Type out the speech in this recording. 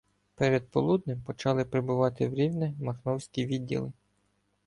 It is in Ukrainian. Перед полуднем почали прибувати в Рівне махновські відділи.